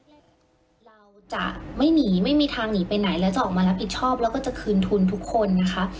เราจะไม่หนีไม่มีทางหนีไปไหนแล้วจะออกมารับผิดชอบแล้วก็จะคืนทุนทุกคนนะคะ